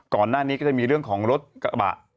ก่อนหน้านี้ก็จะมีเรื่องของรถกระบะ